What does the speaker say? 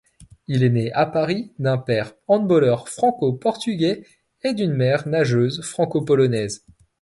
Il est né à Paris d'un père handballeur franco-portugais et d'une mère nageuse franco-polonaise.